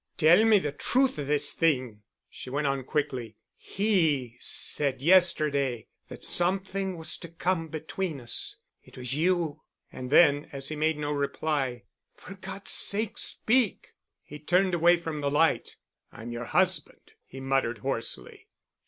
"Tell me the truth of this thing," she went on quickly, "he said yesterday that something was to come between us. It was you." And then, as he made no reply, "For God's sake, speak——" He turned away from the light. "I'm your husband," he muttered hoarsely.